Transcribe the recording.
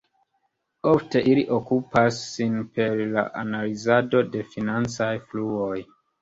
Ofte ili okupas sin per la analizado de financaj fluoj.